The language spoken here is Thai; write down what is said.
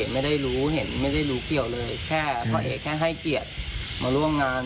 ไม่ได้รู้เห็นไม่ได้รู้เกี่ยวเลยแค่พ่อเอกแค่ให้เกียรติมาร่วมงาน